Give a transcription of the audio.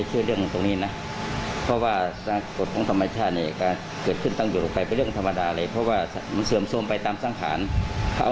หลังจากเก็บพระออกมาแล้วนี่นะคะ